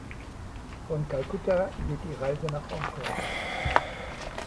Von Kalkutta geht die Reise nach Hongkong.